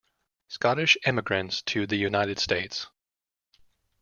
Scottish emigrants to the United States.